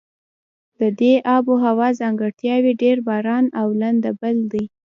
د دې آب هوا ځانګړتیاوې ډېر باران او لنده بل دي.